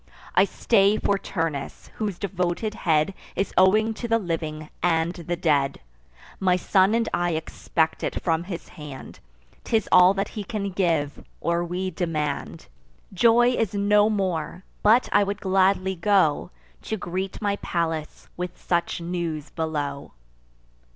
I stay for Turnus, whose devoted head Is owing to the living and the dead. My son and I expect it from his hand; 'Tis all that he can give, or we demand. Joy is no more; but I would gladly go, To greet my Pallas with such news below."